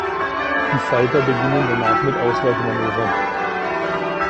Die Falter beginnen danach mit Ausweichmanövern.